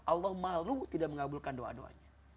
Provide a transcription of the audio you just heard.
allah malu tidak mengabulkan doa doanya